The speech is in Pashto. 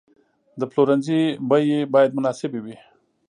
د پلورنځي بیې باید مناسبې وي.